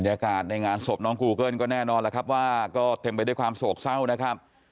ยากาศในงานศพน้องกูเกิ้ลก็แน่นอนแล้วครับว่าก็เต็มไปด้วยความโศกเศร้านะครับ